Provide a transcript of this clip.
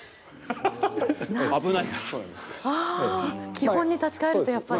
基本に立ち返るとやっぱり。